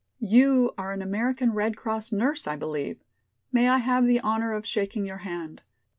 "You are an American Red Cross nurse, I believe. May I have the honor of shaking your hand.